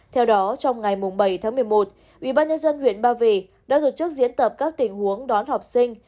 theo đó trong ngày bảy tháng một mươi một ubnd huyện ba vì đã tổ chức diễn tập các tình huống đón học sinh